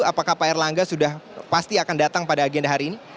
apakah pak erlangga sudah pasti akan datang pada agenda hari ini